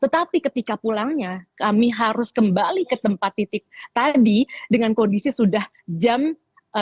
tetapi ketika pulangnya kami harus kembali ke tempat titik tadi dengan kondisi sudah jam